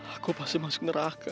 aku pasti masuk neraka